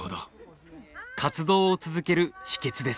活動を続ける秘けつです。